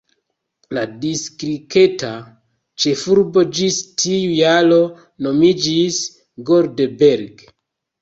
La distrikta ĉefurbo ĝis tiu jaro nomiĝis "Goldberg".